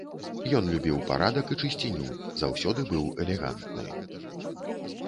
Ён любіў парадак і чысціню, заўсёды быў элегантны.